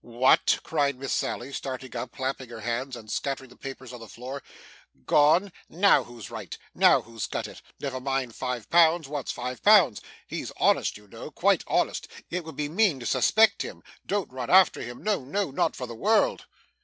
'What!' cried Miss Sally, starting up, clapping her hands, and scattering the papers on the floor. 'Gone! Now who's right? Now who's got it? Never mind five pounds what's five pounds? He's honest, you know, quite honest. It would be mean to suspect him. Don't run after him. No, no, not for the world!